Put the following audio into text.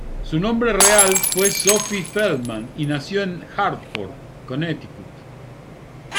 Su nombre real fue Sophie Feldman, y nació en Hartford, Connecticut.